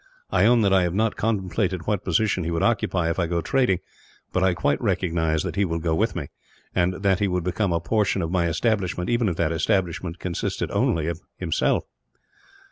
I own that I have not contemplated what position he would occupy, if I go trading; but I quite recognize that he will go with me, and that he would become a portion of my establishment, even if that establishment consisted only of himself.